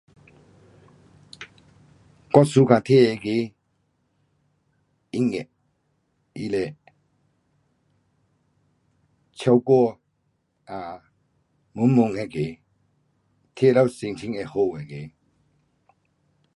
我 Suka 听那个音乐，它是唱歌啊蒙蒙那个，听了心情会好那个。